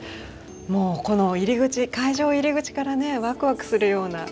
もうこの入り口会場入り口からねわくわくするような色の洪水ですね。